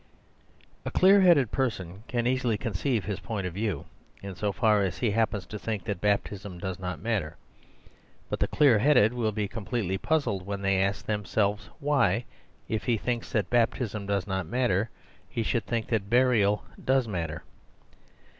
A clear headed person can easily con ceive his point of view, in so far as he happens to think that baptism does not matter. But the clear headed will be completely puzzled when they ask themselves why, if he thinks that baptism does not matter, he should think that burial does matter.